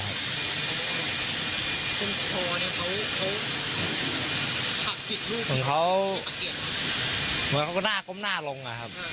เหมือนเขาก็หน้าก้มหน้าลงก็ไม่ตอบ